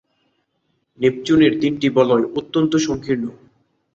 নেপচুনের তিনটি বলয় অত্যন্ত সংকীর্ণ।